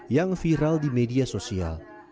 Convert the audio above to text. yang viral di media sosial